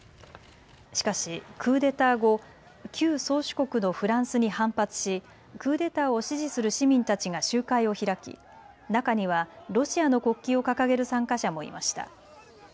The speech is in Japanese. しかしクーデター後、旧宗主国のフランスに反発しクーデターを支持する市民たちが集会を開き中にはロシアの国旗を掲げる参加者もいました。